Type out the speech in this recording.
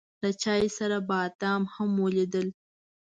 له چای سره بادام هم وليدل.